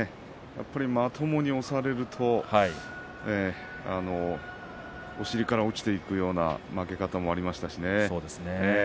やはりまともに押されるとお尻から落ちていくような負け方もありましたしね。